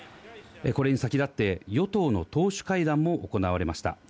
これに先立って、与党の党首会談も行われました。